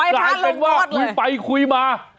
กลายเป็นว่าคุยไปคุยมา